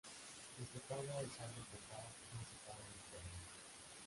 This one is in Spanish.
Si se paga el saldo total, no se pagan intereses.